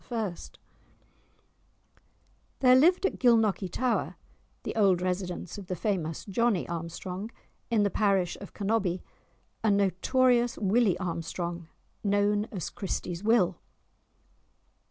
There lived at Gilnockie tower (the old residence of the famous Johnie Armstrong) in the parish of Cannobie, a notorious Willie Armstrong, known as Christie's Will.